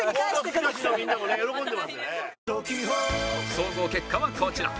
総合結果はこちら